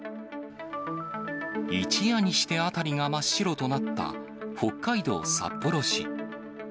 一夜にして辺りが真っ白となった北海道札幌市。